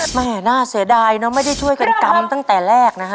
แม่น่าเสียดายเนอะไม่ได้ช่วยกันกำตั้งแต่แรกนะฮะ